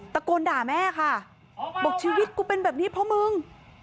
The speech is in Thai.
ตะโกนด่าแม่ค่ะบอกชีวิตกูเป็นแบบนี้เพราะมึง